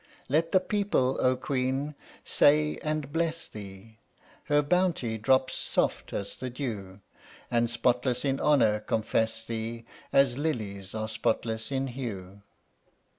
Let the people, O Queen! say, and bless thee, Her bounty drops soft as the dew, And spotless in honor confess thee, As lilies are spotless in hue.